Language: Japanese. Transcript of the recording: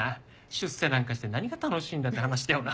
出世なんかして何が楽しいんだって話だよな。